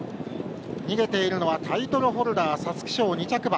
逃げているのはタイトルホルダー皐月賞、２着馬。